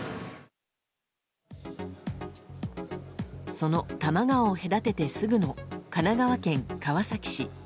その多摩川を隔ててすぐの神奈川県川崎市。